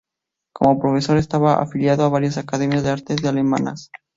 Como profesor, estaba afiliado a varias academias de arte del Alemanas.